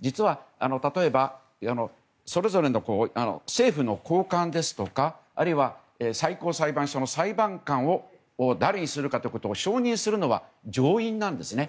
例えばそれぞれの政府の高官ですとかあるいは最高裁判所の裁判官を誰にするかということを承認するのは上院なんですね。